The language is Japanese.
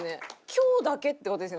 今日だけって事ですよね？